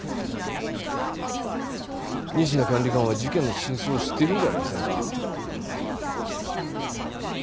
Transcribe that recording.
仁科管理官は事件の真相を知ってるんじゃありませんか？